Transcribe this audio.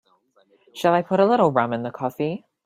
Shall I put a little rum in the coffee?